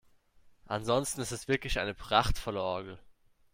Ansonsten ist es wirklich eine prachtvolle Orgel.